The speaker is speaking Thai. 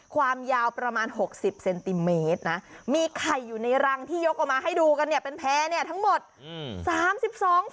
ความยาวประมาณ๖๐เซนติเมตรนะมีไข่อยู่ในรังที่ยกออกมาให้ดูกันเนี่ยเป็นแพ้เนี่ยทั้งหมด